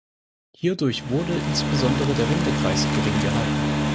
Hierdurch wurde insbesondere der Wendekreis gering gehalten.